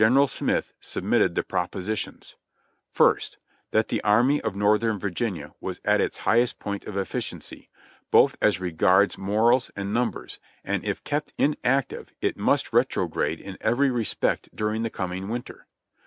Smith submitted the propositions : I St. That the Army of Northern Virginia was at its highest point of efficiency, both as regards morals and numbers, and if kept inactive it must retrograde in every respect during the com ing winter.